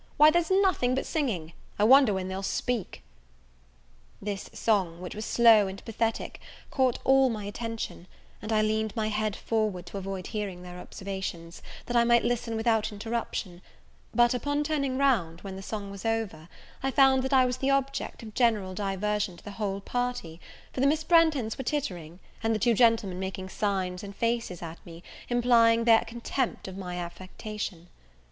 why, there's nothing but singing! I wonder when they'll speak." This song, which was slow and pathetic, caught all my attention, and I leaned my head forward to avoid hearing their observations, that I might listen without interruption: but, upon turning round, when the song was over, I found that I was the object of general diversion to the whole party; for the Miss Branghtons were tittering, and the two gentlemen making signs and faces at me, implying their contempt of my affectation.